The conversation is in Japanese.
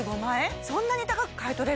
そんなに高く買い取れるの？